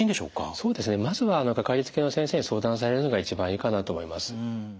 そうですねまずはかかりつけの先生に相談されるのが一番いいかなと思います。